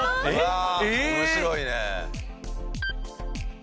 面白いね。